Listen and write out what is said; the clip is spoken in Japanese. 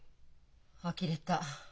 あきれた。